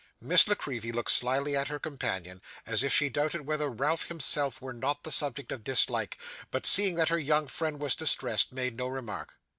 Miss La Creevy looked slyly at her companion, as if she doubted whether Ralph himself were not the subject of dislike, but seeing that her young friend was distressed, made no remark.